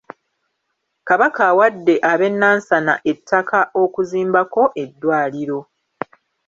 Kabaka awadde abe Nansana ettaka okuzimbako eddwaliro.